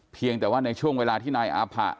เพียงแต่ว่าในช่วงเวลาที่นายอาผะ